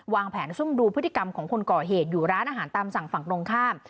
วางแผนซุ่มดูพฤติกรรมของคนก่อเหตุอยู่ร้านอาหารตามสั่งฝั่งตรงข้าม